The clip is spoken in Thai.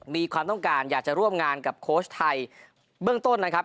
มีความต้องการอยากจะร่วมงานกับโค้ชไทยเบื้องต้นนะครับ